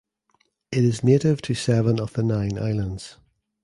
It is native to seven of the nine islands.